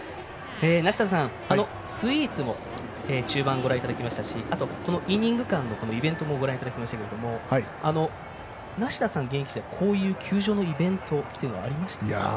梨田さん、スイーツも中盤、ご覧いただきましたしイニング間のイベントもご覧いただきましたけども梨田さんの現役時代は球場のイベントはありましたか。